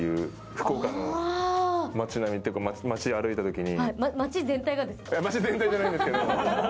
福岡の街並みというか街、歩いた時に。